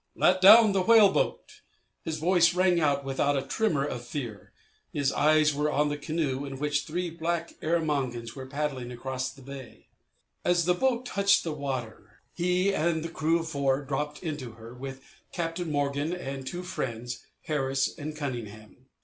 "Let down the whale boat." His voice rang out without a tremor of fear. His eyes were on the canoe in which three black Erromangans were paddling across the bay. As the boat touched the water, he and the crew of four dropped into her, with Captain Morgan and two friends, Harris and Cunningham.